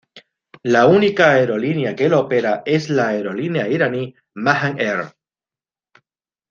La única aerolínea que lo opera es la aerolínea iraní Mahan Air.